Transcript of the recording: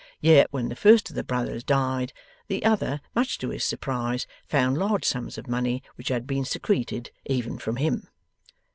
Yet when the first of the brothers died, the other, much to his surprise, found large sums of money which had been secreted even from him.